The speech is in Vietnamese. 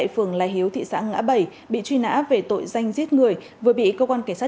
phường lai hiếu thị xã ngã bảy bị truy nã về tội danh giết người vừa bị cơ quan cảnh sát